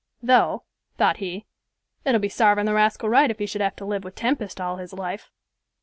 "Though," thought he, "it'll be sarvin the rascal right if he should have to live with Tempest all his life."